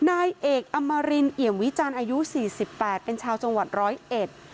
นายเอกอำมารินเอี่ยมวิจารณ์อายุ๔๘เป็นชาวจังหวัดร้อยเอ็ด